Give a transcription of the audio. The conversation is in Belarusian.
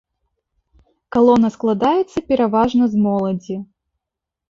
Калона складаецца пераважна з моладзі.